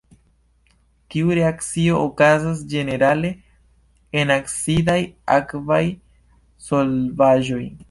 Tiu reakcio okazas ĝenerale en acidaj akvaj solvaĵoj.